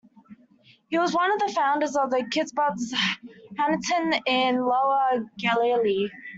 He was one of the founders of the kibbutz Hanaton in Lower Galilee.